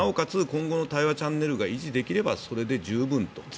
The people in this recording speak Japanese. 今後の対話チャンネルが維持できればそれで十分と。